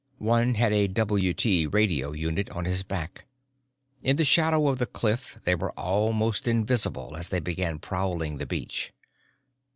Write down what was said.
One had a WT radio unit on his back. In the shadow of the cliff they were almost invisible as they began prowling the beach.